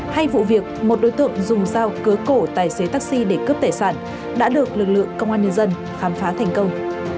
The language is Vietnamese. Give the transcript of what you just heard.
hay vụ việc một đối tượng dùng dao cớ cổ tài xế taxi để cướp tài sản đã được lực lượng công an nhân dân khám phá thành công